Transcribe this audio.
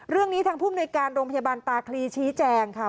เรื่องนี้ทางภูมิในการโรงพยาบาลตาคลีชี้แจงค่ะ